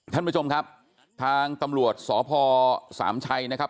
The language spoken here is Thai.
ท่านผู้ชมครับทางตำรวจสพสามชัยนะครับ